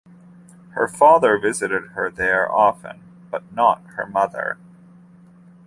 Her father visited her there often, but not her mother.